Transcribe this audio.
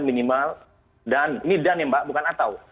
minimal dan ini dan ya mbak bukan atau